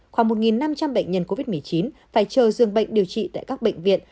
khoảng một năm trăm linh bệnh nhân covid một mươi chín phải chờ dương bệnh điều trị tại các bệnh viện